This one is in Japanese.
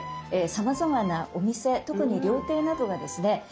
さまざまなお店特に料亭などがですね